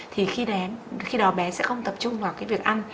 thì khi đó bé sẽ không tập trung vào cái việc ăn